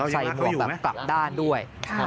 ใส่หมวกกลับด้านด้วย